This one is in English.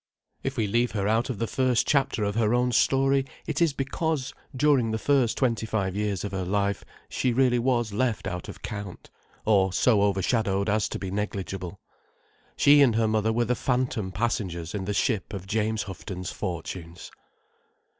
If we leave her out of the first chapter of her own story it is because, during the first twenty five years of her life, she really was left out of count, or so overshadowed as to be negligible. She and her mother were the phantom passengers in the ship of James Houghton's fortunes.